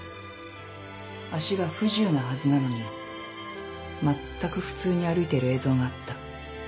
足が不自由なはずなのにまったく普通に歩いてる映像があった。